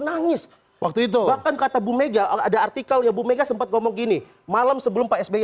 nangis waktu itu akan kata bumega ada artikelnya bumega sempat ngomong gini malam sebelum pak sby